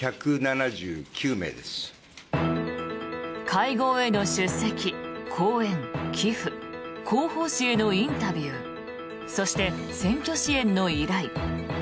会合への出席、講演、寄付広報誌へのインタビューそして、選挙支援の依頼。